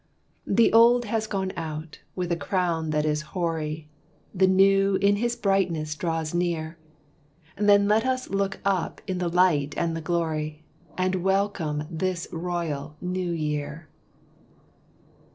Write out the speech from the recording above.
The Old has gone out with a crown that is hoary, The New in his brightness draws near; Then let us look up in the light and the glory, And welcome this royal New Year.